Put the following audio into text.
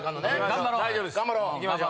頑張ろう。